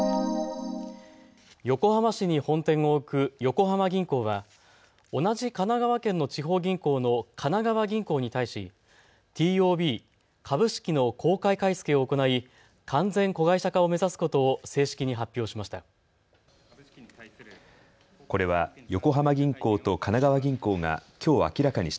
横浜市に本店を置く横浜銀行は同じ神奈川県の地方銀行の神奈川銀行に対しＴＯＢ・株式の公開買い付けを行い完全子会社化を目指すことを正式に発表しました。